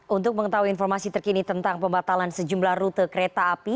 untuk mengetahui informasi terkini tentang pembatalan sejumlah rute kereta api